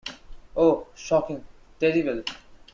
Oh, shocking — terrible!